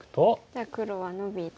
じゃあ黒はノビて。